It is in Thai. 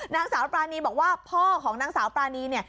นางสาวปรานีบอกว่าพ่อของนางสาวปรานีเนี่ย